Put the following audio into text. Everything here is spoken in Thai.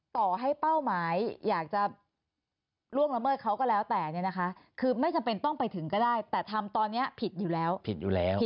ที่เราขาใจที่สุด